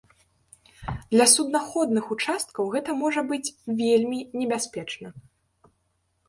Для суднаходных участкаў гэта можа быць вельмі небяспечна.